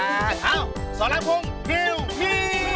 เอ้าสาวละพงพิวพี